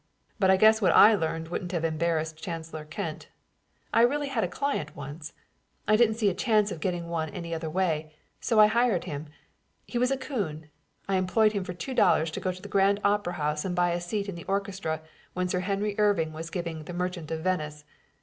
But I guess what I learned wouldn't have embarrassed Chancellor Kent. I really had a client once. I didn't see a chance of getting one any other way, so I hired him. He was a coon. I employed him for two dollars to go to the Grand Opera House and buy a seat in the orchestra when Sir Henry Irving was giving The Merchant of Venice.